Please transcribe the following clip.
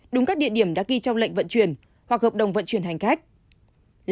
đúng các địa điểm đã ghi trong lệnh vận chuyển hoặc hợp đồng vận chuyển hành khách